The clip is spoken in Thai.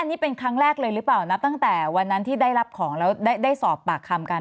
อันนี้เป็นครั้งแรกเลยหรือเปล่านับตั้งแต่วันนั้นที่ได้รับของแล้วได้สอบปากคำกัน